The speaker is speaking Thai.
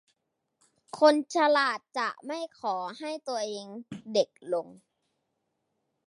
คนฉลาดจะไม่ขอให้ตัวเองเด็กลง